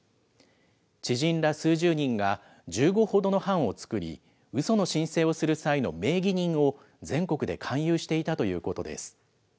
知人ら数十人が１５ほどの班を作り、うその申請をする際の名義人を全国で勧誘していたということです。